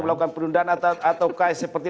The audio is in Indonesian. melakukan perundangan atau seperti